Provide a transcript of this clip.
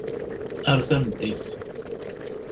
Ar tameddit.